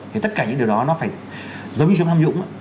thì tất cả những điều đó nó phải giống như chúng tham dũng